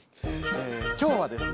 今日はですね